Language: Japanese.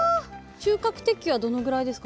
収穫適期はどのぐらいですか？